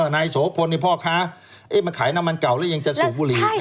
นายโสพลพ่อค้ามาขายน้ำมันเก่าหรือยังจะสูบบุหรี่